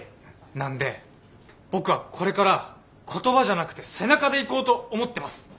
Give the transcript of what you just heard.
なんで僕はこれから言葉じゃなくて背中でいこうと思ってます。